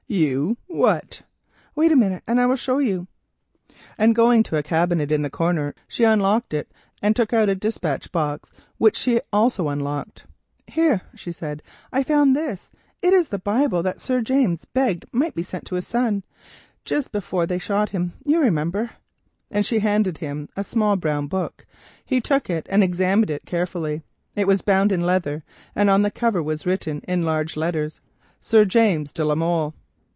"You, what?" "Wait a minute and I will show you," and going to a cabinet in the corner, she unlocked it, and took out a despatch box, which she also unlocked. "Here," she said, "I found this. It is the Bible that Sir James begged might be sent to his son, just before they shot him, you remember," and she handed him a small brown book. He took it and examined it carefully. It was bound in leather, and on the cover was written in large letters, "Sir James de la Molle.